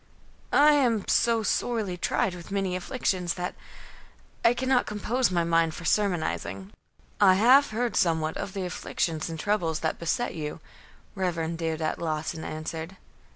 "I am so sorely tried with my many afflictions, that I cannot compose my mind for sermonizing." "I have heard somewhat of the afflictions and troubles that beset you," Rev. Deodat Lawson answered.